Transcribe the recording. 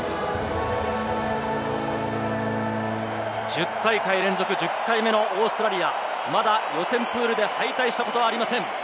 １０大会連続１０回目のオーストラリア、まだ予選プールで敗退したことはありません。